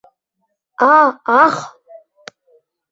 — А-ах!